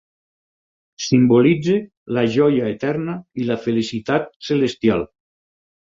Simbolitza la joia eterna i la felicitat celestial.